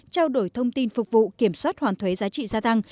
trao đổi thông tin phục vụ kiểm soát hoàn thuế giá trị gia tăng